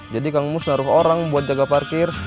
jadi kang mus naruh orang buat jaga parkir